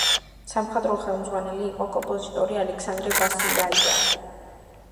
სამხატვრო ხელმძღვანელი იყო კომპოზიტორი ალექსანდრე ბასილაია.